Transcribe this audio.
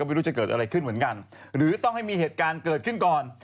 ไม่รู้จะเกิดอะไรขึ้นเหมือนกันหรือต้องให้มีเหตุการณ์เกิดขึ้นก่อน